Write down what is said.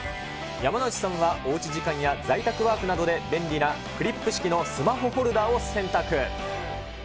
山之内さんはおうち時間や在宅ワークなどで便利なクリップ式のスマホホルダーを選択。